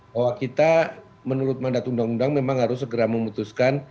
bahwa kita menurut mandat undang undang memang harus memiliki sistem yang sangat sangat stabil dan yang agak dekat